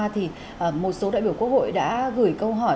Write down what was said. thì một số đại biểu quốc hội đã gửi câu hỏi